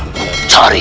cari kebun rai